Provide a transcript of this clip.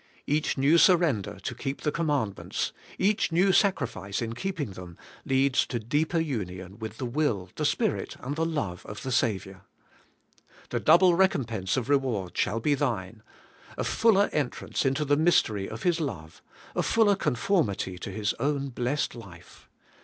Each new surrender to keep the com mandments, each new sacrifice in keeping them, leads to deeper union with the will, the spirit, and the love of the Saviour. The double recompense of reward shall be thine, — a fuller entrance into the mystery of His love, — a fuller conformity to His own blessed life.